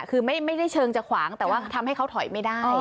คือไม่ได้เชิงจะขวางแต่ว่าทำให้เขาถอยไม่ได้